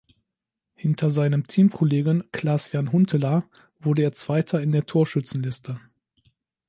Hinter seinem Teamkollegen Klaas-Jan Huntelaar wurde er zweiter in der Torschützenliste.